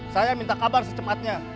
saya minta kabar secepatnya